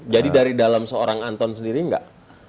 jadi dari dalam seorang anton sendiri tidak